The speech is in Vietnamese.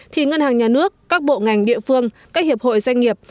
thì ngân hàng nhà nước các bộ ngành địa phương các hiệp hội doanh nghiệp